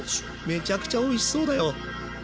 めちゃくちゃおいしそうだよ。